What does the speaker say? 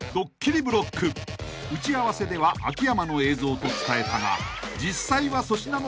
［打ち合わせでは秋山の映像と伝えたが］